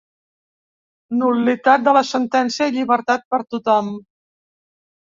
Nul·litat de la sentència i llibertat per tothom!